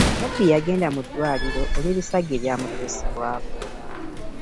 Omubbi yagenda muddwaliro olwebisago ebyamutusibwako.